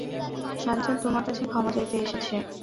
সাজ্জাদ তোমার কাছে ক্ষমা চাইতে এসেছে।